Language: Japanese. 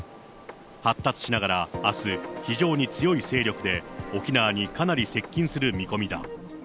発達しながらあす、非常に強い勢力で沖縄にかなり接近する見込みだ。